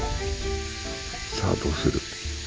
さあどうする。